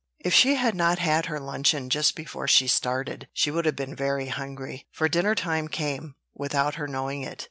If she had not had her luncheon just before she started, she would have been very hungry; for dinner time came, without her knowing it.